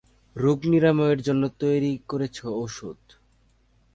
রোগ নিরাময়ের জন্য তৈরি করেছে ঔষধ।